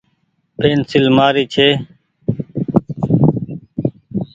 پينسيل مآري ڇي۔